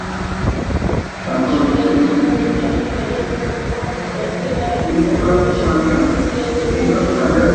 সরেজমিনে জানা গেছে, নারী প্রার্থীরা এখন পর্যন্ত ভোটারদের মধ্যে আগ্রহ জাগাতে পারেনি।